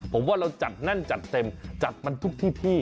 ผมว่าเราจัดแน่นจัดเต็มจัดมันทุกที่ที่